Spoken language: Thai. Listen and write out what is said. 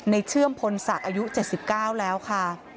เชื่อมพลศักดิ์อายุ๗๙แล้วค่ะ